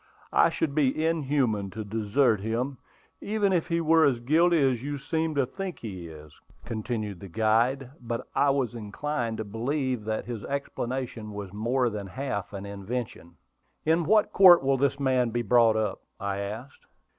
I should be inhuman to desert him, even if he were as guilty as you seem to think he is," continued the guide; but I was inclined to believe that his explanation was more than half an invention. "In what court will this man be brought up?" I asked.